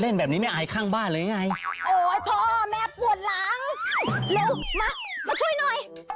โอ้ยโอ้ยโอ้ยโอ้ยโอ้ย